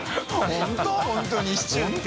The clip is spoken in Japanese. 榲・本当にシチューって。